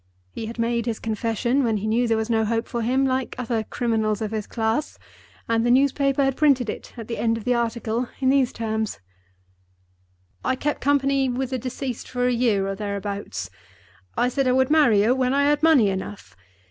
He had made his confession, when he knew there was no hope for him, like other criminals of his class, and the newspaper had printed it at the end of the article, in these terms: "I kept company with the deceased for a year or thereabouts. I said I would marry her when I had money enough.